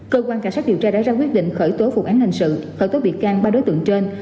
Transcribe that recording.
cơ quan cả sát điều tra đã ra quyết định khởi tố phục án hành sự khởi tố bị can ba đối tượng trên